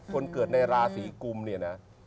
คนเกิดในราศีกุมเนี่ยนะ